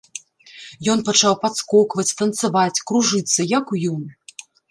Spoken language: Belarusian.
Ён пачаў падскокваць, танцаваць, кружыцца, як уюн.